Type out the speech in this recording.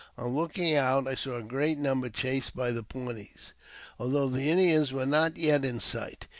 On looking out, I saw a great number chased by the Pawnees,.] although the Indians were not yet in sight.